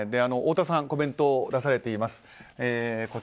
太田さんコメントを出されています。